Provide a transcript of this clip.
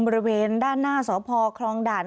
บริเวณด้านหน้าสพคลองด่าน